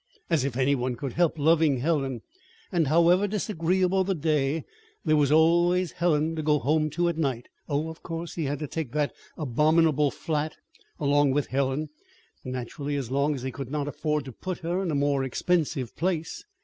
As if any one could help loving Helen! And however disagreeable the day, there was always Helen to go home to at night. Oh, of course, he had to take that abominable flat along with Helen naturally, as long as he could not afford to put her in a more expensive place.